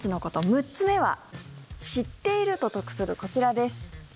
６つ目は知っていると得するこちらです。